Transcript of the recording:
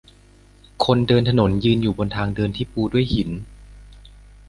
คนเดินถนนยืนอยู่บนทางเดินที่ปูด้วยหิน